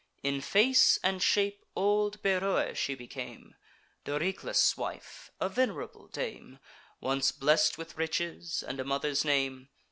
In face and shape old Beroe she became, Doryclus' wife, a venerable dame, Once blest with riches, and a mother's name.